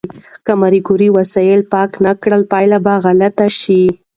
که ماري کوري وسایل پاک نه کړي، پایله به غلطه شي.